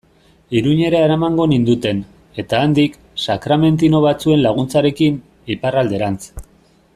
Iruñera eramango ninduten, eta handik, sakramentino batzuen laguntzarekin, Iparralderantz.